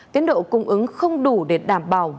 tiến độ cung ứng không đủ để đảm bảo